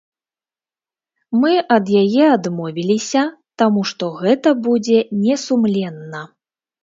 Мы ад яе адмовіліся, таму што гэта будзе не сумленна.